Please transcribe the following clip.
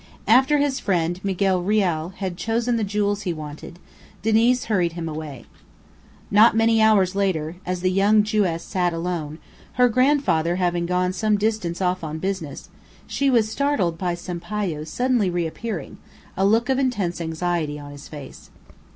After his friend, Miguel Reale, had chosen the jewels he wanted, Diniz hurried him away. Not many hours later, as the young Jewess sat alone, her grandfather having gone some distance off on business, she was startled by Sampayo suddenly reappearing, a look of intense anxiety on his face.